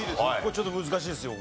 ちょっと難しいですよ